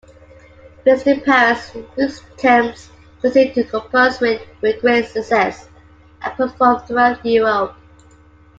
Based in Paris, Vieuxtemps continued to compose with great success and perform throughout Europe.